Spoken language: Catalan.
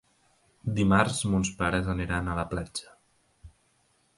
Dimarts mons pares aniran a la platja.